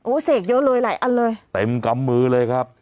เสกเยอะเลยหลายอันเลยเต็มกำมือเลยครับ